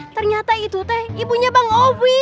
ternyata itu teh ibunya bang ovi